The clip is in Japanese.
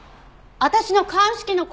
私の鑑識の後輩！